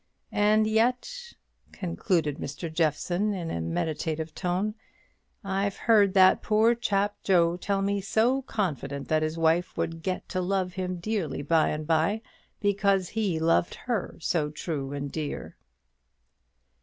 And yet," concluded Mr. Jeffson, in a meditative tone, "I've heard that poor chap Joe tell me so confident that his wife would get to love him dearly by and by, because he loved her so true and dear."